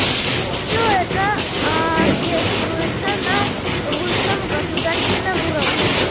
Все это оркеструется на высшем государственном уровне.